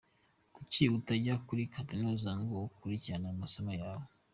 Kuki utajya kuri kaminuza ngo ukurikire amasomo yawe?